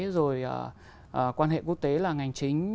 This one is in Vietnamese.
rồi quan hệ quốc tế là ngành chính